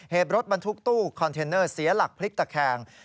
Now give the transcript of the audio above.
รถบรรทุกตู้คอนเทนเนอร์เสียหลักพลิกตะแคง